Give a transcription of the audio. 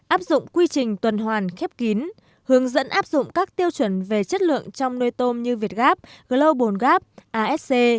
áp dụng quy trình tuần hoàn khép kín hướng dẫn áp dụng các tiêu chuẩn về chất lượng trong nuôi tôm như việt gap global gap asc